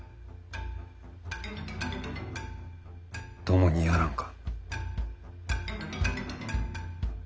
共にやらんか？